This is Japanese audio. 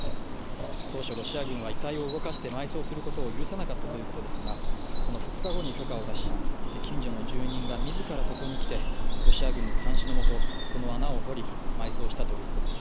当初ロシア軍は遺体を動かして埋葬することを許さなかったということですが、その２日後に許可を出し近所の住人が自らここに来て、ロシア軍の監視のもと、この穴を掘り、埋葬したということです。